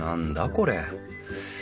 これ。